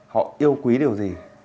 họ yêu quý điều gì